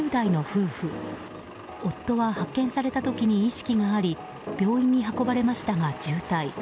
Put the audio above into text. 夫は発見された時に意識があり病院に運ばれましたが重体。